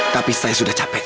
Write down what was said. tapi saya sudah capek